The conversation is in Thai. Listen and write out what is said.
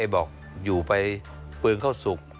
บอกอยู่ไปปืนเข้าสุก